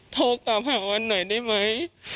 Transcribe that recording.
โทรตามหาวันหน่อยได้ไหม